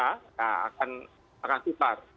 nah akan tipar